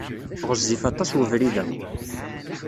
Ɣezzif aṭas webrid-a.